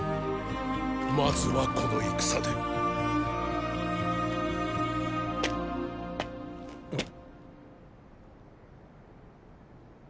まずはこの戦でーー。！